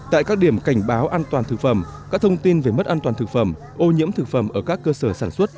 tại các điểm cảnh báo an toàn thực phẩm các thông tin về mất an toàn thực phẩm ô nhiễm thực phẩm ở các cơ sở sản xuất